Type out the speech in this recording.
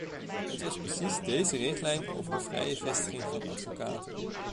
Het was precies deze richtlijn over de vrije vestiging van advocaten.